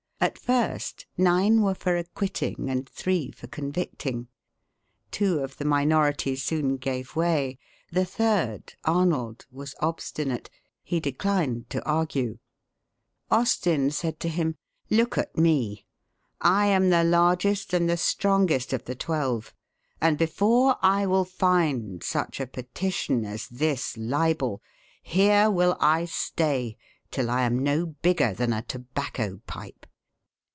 At first nine were for acquitting, and three for convicting. Two of the minority soon gave way; the third, Arnold, was obstinate. He declined to argue. Austin said to him, "Look at me. I am the largest and the strongest of the twelve; and before I will find such a petition as this libel, here will I stay till I am no bigger than a tobacco pipe."